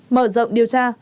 mở rộng điều tra